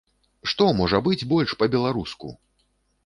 Што можа быць больш па-беларуску!